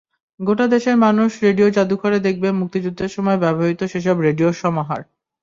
গোটা দেশের মানুষ রেডিও জাদুঘরে দেখবে মুক্তিযুদ্ধের সময় ব্যবহৃত সেসব রেডিওর সমাহার।